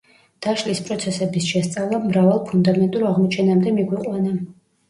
დაშლის პროცესების შესწავლამ მრავალ ფუნდამენტურ აღმოჩენამდე მიგვიყვანა.